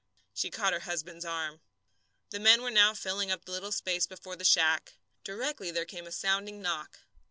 She caught her husband's arm. The men were now filling up the little space before the shack. Directly there came a sounding knock.